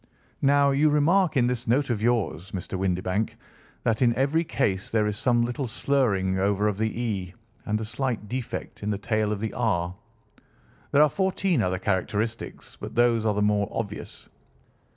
Now, you remark in this note of yours, Mr. Windibank, that in every case there is some little slurring over of the 'e,' and a slight defect in the tail of the 'r.' There are fourteen other characteristics, but those are the more obvious."